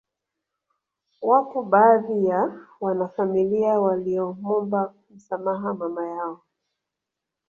Wapo baadhi ya wanafamilia waliomwomba msamaha mama yao